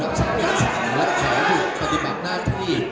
รับทรัพยาศาสนและขอให้ผู้ปฏิบัติหน้าที่